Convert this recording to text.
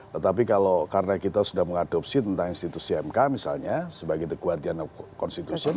tetapi kalau karena kita sudah mengadopsi tentang institusi mk misalnya sebagai the guardian of constitution